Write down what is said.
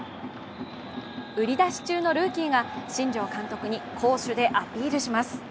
売り出し中のルーキーが新庄監督に攻守でアピールします。